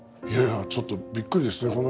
いやちょっとびっくりですね。